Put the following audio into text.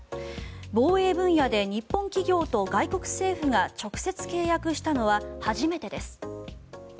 防衛分野で日本企業と外国政府が直接契約したのは初めてです。